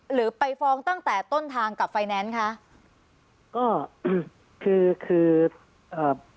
หรือไปฟ้องตั้งแต่ต้นทางกับไฟแนนซ์คะก็คือคืออ่า